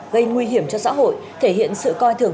gây nguy hiểm cho xã hội thể hiện sự coi thường